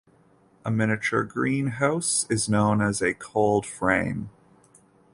A miniature greenhouse is known as a cold frame.